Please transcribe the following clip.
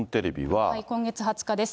今月２０日です。